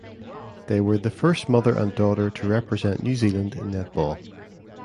They were the first mother and daughter to represent New Zealand in netball.